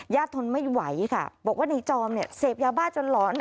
ทนไม่ไหวค่ะบอกว่าในจอมเนี่ยเสพยาบ้าจนหลอน